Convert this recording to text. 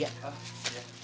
ini rotinya dek